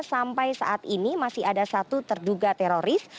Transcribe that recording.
sampai saat ini masih ada satu terduga teroris